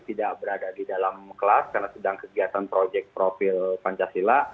tidak berada di dalam kelas karena sedang kegiatan proyek profil pancasila